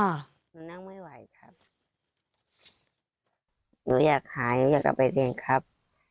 หนูนั่งไม่ไหวครับหนูอยากหายหนูอยากกลับไปเรียนครับ